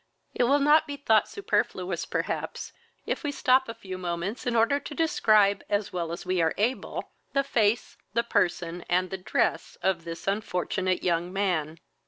It will not be thought superfluous, perhaps, if we stop a few moments, in order to describe, as well as we are able, the face, person, and dress, of this unfortunate young man.